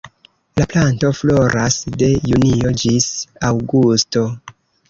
La planto floras de junio ĝis aŭgusto.